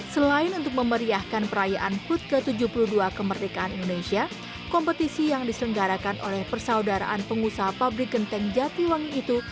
selain untuk memeriahkan perayaan hud ke tujuh puluh dua kemerdekaan indonesia kompetisi yang diselenggarakan oleh persaudaraan pengusaha pabrik genteng jatiwangi itu